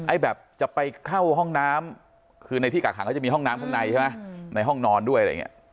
แบบจะไปเข้าห้องน้ำคือในที่กักหางเขาจะมีห้องน้ำข้างในใช่ไหมในห้องนอนด้วยอะไรอย่างนี้